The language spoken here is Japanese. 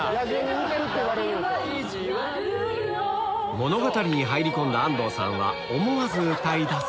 物語に入り込んだ安藤さんは思わず歌い出す